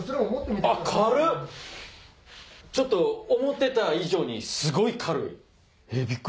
ちょっと思ってた以上にすごい軽い。